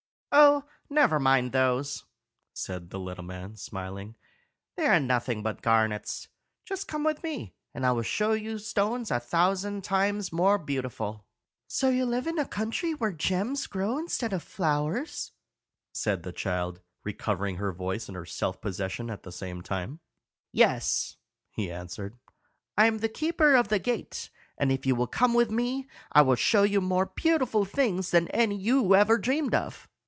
"Oh, never mind those," said the little man, smiling; "they are nothing but garnets. Just come with me, and I will show you stones a thousand times more beautiful." "So you live in the country where gems grow instead of flowers?" said the child, recovering her voice and her self possession at the same time. "Yes," he answered; "I am the keeper of the gate, and if you will come with me, I will show you more beautiful things than any you ever dreamed of."